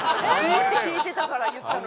聞いてたから言ったのに。